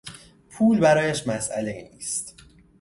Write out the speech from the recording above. پول برایش مسئلهای نیست.